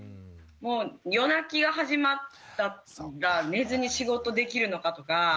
夜泣きが始まったら寝ずに仕事できるのかとか。